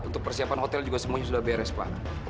untuk persiapan hotel juga semuanya sudah beres pak